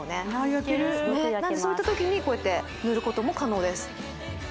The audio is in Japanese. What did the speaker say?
焼けるねっなんでそういった時にこうやって塗ることも可能です